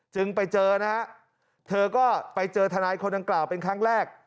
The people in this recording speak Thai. จึงไปเจอนะฮะเธอก็ไปเจอทนายคนดังกล่าวเป็นครั้งแรก